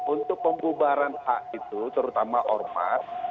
untuk pembubaran hak itu terutama ormas